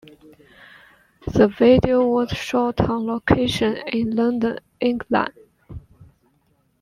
The video was shot on location in London, England.